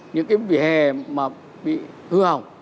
những cái vỉa hè mà bị hư hỏng